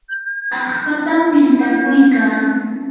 aqtsatam piltakuykaa.